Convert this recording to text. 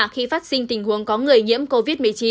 khi phát sinh tình huống có người nhiễm covid một mươi chín